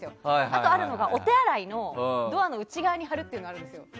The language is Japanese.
あと、あるのがお手洗いのドアの内側に貼るっていうのがあるんですよ。